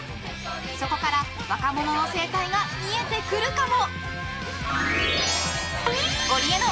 そこから若者の生態が見えてくるかも？